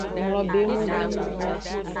Nglobe enu hunu.